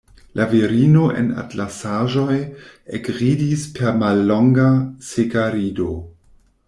La virino en atlasaĵoj ekridis per mallonga, seka rido.